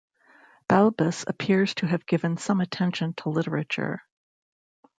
Balbus appears to have given some attention to literature.